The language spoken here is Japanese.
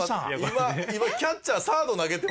今今キャッチャーサード投げてましたよ。